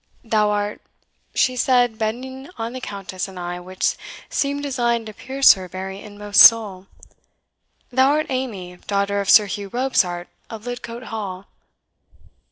Thou art," she said, bending on the Countess an eye which seemed designed to pierce her very inmost soul "thou art Amy, daughter of Sir Hugh Robsart of Lidcote Hall?"